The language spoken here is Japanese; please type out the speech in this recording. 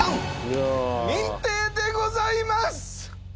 認定でございます！